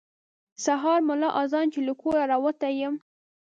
سهار ملا اذان چې له کوره راوتی یم.